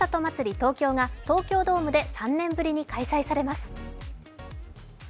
東京が東京ドームで３年ぶりに開催されます。